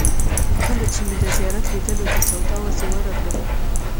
کله چې مې د زیارت لیدلو ته سودا وه، زه ورغلم.